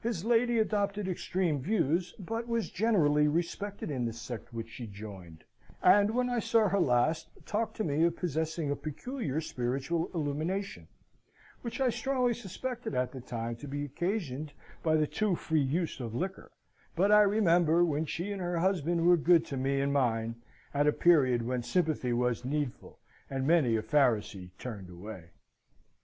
His lady adopted extreme views, but was greatly respected in the sect which she joined; and when I saw her last, talked to me of possessing a peculiar spiritual illumination, which I strongly suspected at the time to be occasioned by the too free use of liquor: but I remember when she and her husband were good to me and mine, at a period when sympathy was needful, and many a Pharisee turned away.